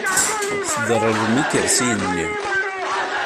Tderrerem ikersiyen-nni.